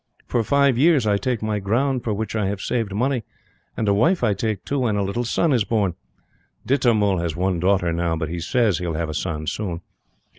For five years I take my ground for which I have saved money, and a wife I take too, and a little son is born.' Ditta Mull has one daughter now, but he SAYS he will have a son, soon.